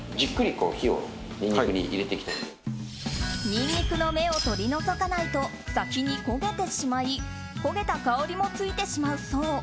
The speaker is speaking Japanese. ニンニクの芽を取り除かないと先に焦げてしまい焦げた香りもついてしまうそう。